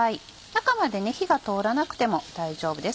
中まで火が通らなくても大丈夫です。